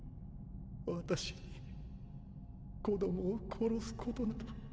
私に子供を殺すことなど。